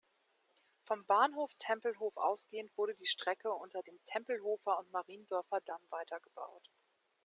Vom Bahnhof Tempelhof ausgehend wurde die Strecke unter dem Tempelhofer und Mariendorfer Damm weitergebaut.